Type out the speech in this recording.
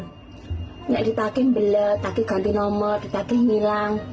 nggak ditaking belet takik ganti nomor ditaking hilang